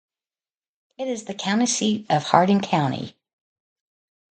It is the county seat of Harding County.